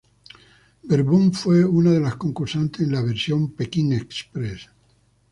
Verboom fue una de las concursantes en la versión "Pekín Express".